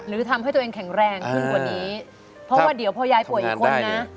หรือทำให้ตัวเองแข็งแรงขึ้นกว่านี้เพราะว่าเดี๋ยวพอยายป่วยอีกคนนะ